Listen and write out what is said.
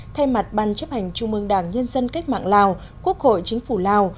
thay mặt ban chấp hành trung mương đảng nhân dân cách mạng lào quốc hội chính phủ lào